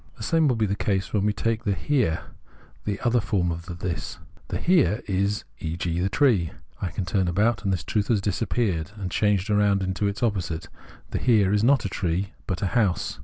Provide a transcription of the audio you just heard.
The same will be the case when we take the Here, the other form of the This. The Here is e.g. the tree. I turn about and this truth has disappeared and has changed round into its opposite : the Here is not a tree, but a house.